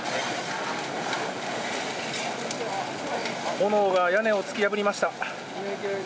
炎が屋根を突き破りました。